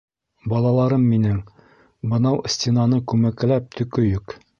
Балаларым минең, бынау стенаны күмәкләп төкөйөк!